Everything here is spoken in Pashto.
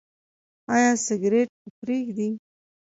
ایا سګرټ به پریږدئ؟